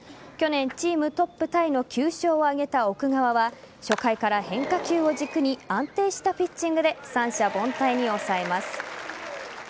去年、チームトップタイの９勝を挙げた奥川は初回から変化球を軸に安定したピッチングで三者凡退に抑えます。